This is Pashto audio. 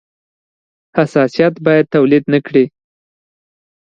حساسیت باید تولید نه کړي.